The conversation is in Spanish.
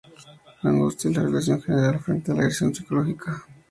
La angustia es la reacción general frente a la agresión psicológica.